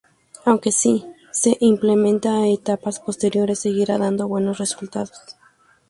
Aunque si se implementa a etapas posteriores, seguirá dando buenos resultados.